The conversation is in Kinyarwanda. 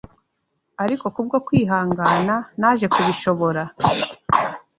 Ariko kubwo kwihangana, naje kubishobora